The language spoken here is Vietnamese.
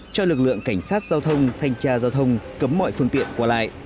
cho lực lượng cảnh sát giao thông thanh tra giao thông cấm mọi phương tiện qua lại